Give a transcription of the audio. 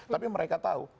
tapi mereka tahu